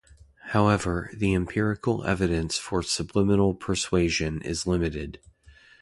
However, the empirical evidence for subliminal persuasion is limited.